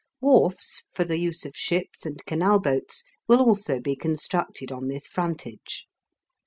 Wharfs for the use of ships and canal boats will also be constructed on this frontage.